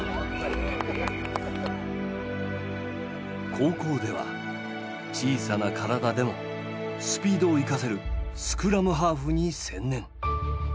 高校では小さな体でもスピードを生かせるスクラムハーフに専念。